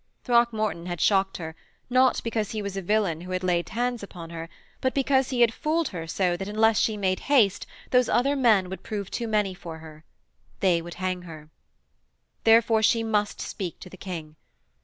Throckmorton had shocked her, not because he was a villain who had laid hands upon her, but because he had fooled her so that unless she made haste those other men would prove too many for her. They would hang her. Therefore she must speak to the King.